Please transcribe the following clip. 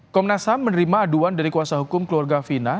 komnas ham menerima aduan dari kuasa hukum keluarga fina